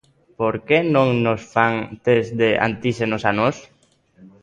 Por que non nos fan test de antíxenos a nós?